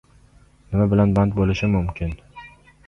— Nima bilan band bo‘lishim mumkin